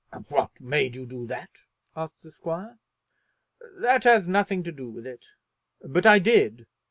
"What made you do that?" asked the squire. "That has nothing to do with it; but I did."